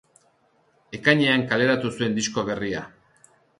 Ekainean kaleratu zuen disko berria.